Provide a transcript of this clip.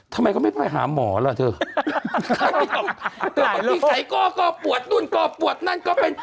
ทำไมเขาไม่ไปหาหมอหรอเธอใครก็ก็ปวดนู่นก็ปวดนั่นก็เป็น